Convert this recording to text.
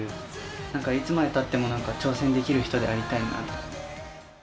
なんかいつまでたってもなんか、挑戦できる人でありたいなって。